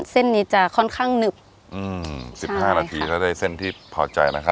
เส้นนี้จะค่อนข้างหนึบอืมสิบห้านาทีก็ได้เส้นที่พอใจนะครับ